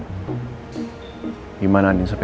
gimana andin sepeta